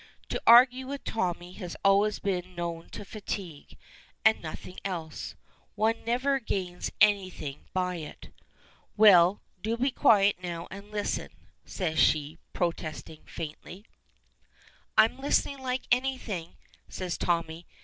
To argue with Tommy is always to know fatigue, and nothing else. One never gains anything by it. "Well, do be quiet now, and listen," says she, protesting faintly. "I'm listening like anything," says Tommy.